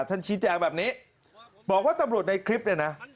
ชี้แจงแบบนี้บอกว่าตำรวจในคลิปเนี่ยนะ